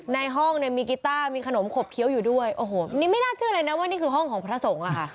ในห้องเนี่ยมีกีต้ามีขนมขบเคี้ยวอยู่ด้วยโอ้โหนี่ไม่น่าเชื่อเลยนะว่านี่คือห้องของพระสงฆ์อ่ะค่ะ